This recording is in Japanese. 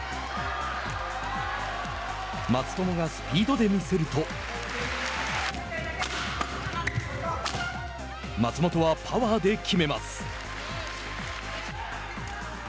松友がスピードで見せると松本はパワーで決めます。